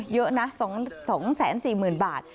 เยอะนะ๒๔๐๐๐บาท